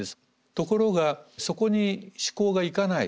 ところがそこに思考がいかない。